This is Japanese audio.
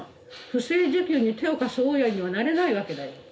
不正受給に手を貸す大家にはなれないわけだよ。